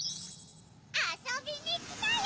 あそびにきたよ！